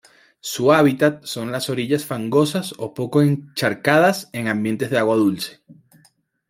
Su hábitat son las orillas fangosas o poco encharcadas en ambientes de agua dulce.